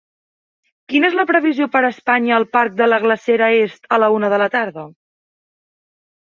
Quina és la previsió per Espanya al Parc de la Glacera Est a la una de la tarda